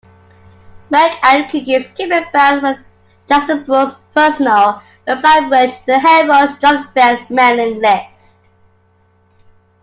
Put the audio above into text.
"MilkandCookies" came about when Jaxon Brooks' personal website merged with Hellroy's Junkmail mailing list.